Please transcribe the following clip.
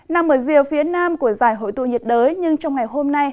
nằm ở rìa phía nam của giải hội tụ nhiệt đới nhưng trong ngày hôm nay